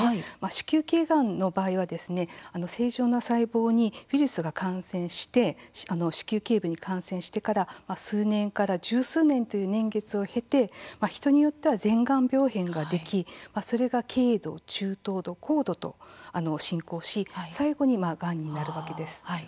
子宮頸がんの場合は正常な細胞にウイルスが感染して子宮頸部に感染してから数年から十数年という年月を経て人によっては前がん病変ができそれが軽度、中等度、高度と進行し最後に、がんになるわけです。